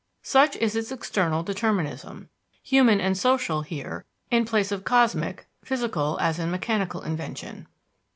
Such is its external determinism human and social here in place of cosmic, physical, as in mechanical invention.